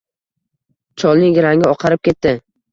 Cholning rangi oqarib ketdi